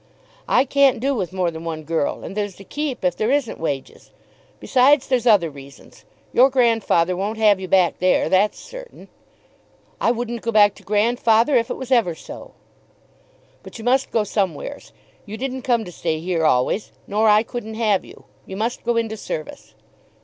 "I can't do with more than one girl, and there's the keep if there isn't wages. Besides, there's other reasons. Your grandfather won't have you back there; that's certain." "I wouldn't go back to grandfather, if it was ever so." "But you must go somewheres. You didn't come to stay here always, nor I couldn't have you. You must go into service."